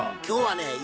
今日はね